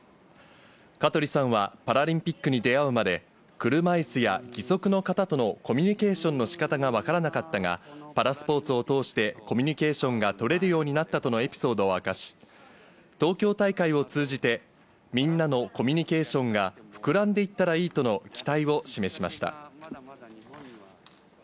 香取さんは、パラリンピックに出会うまで、車いすや義足の方とのコミュニケーションのしかたが分からなかったが、パラスポーツを通してコミュニケーションが取れるようになったとのエピソードを明かし、東京大会を通じて、みんなのコミュニケーションが膨らんでいったらいいとの期待を示しました。